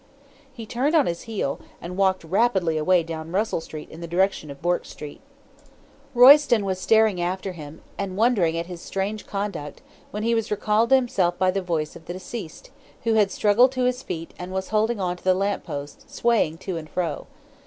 he turned on his heel, and walked rapidly away down Russell Street in the direction of Bourke Street. "Royston was staring after him, and wondering at his strange conduct, when he was recalled to himself by the voice of the deceased, who had struggled to his feet, and was holding on to the lamp post, swaying to and fro.